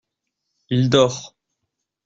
Il dort.